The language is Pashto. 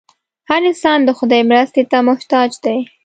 هر انسان د خدای مرستې ته محتاج دی.